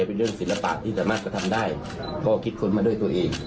เป็นเรื่องศิลปะที่สามารถกระทำได้ก็คิดค้นมาด้วยตัวเอง